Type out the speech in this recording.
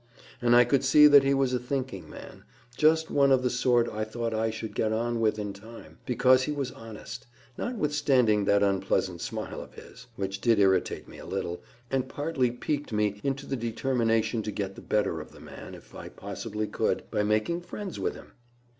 And I couid see that he was a thinking man; just one of the sort I thought I should get on with in time, because he was honest—notwithstanding that unpleasant smile of his, which did irritate me a little, and partly piqued me into the determination to get the better of the man, if I possibly could, by making friends with him.